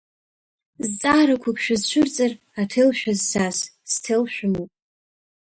Зҵаарақәак шәызцәырҵыр, аҭел шәысзас сҭел шәымоуп.